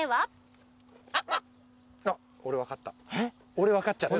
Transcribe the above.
俺分かっちゃった。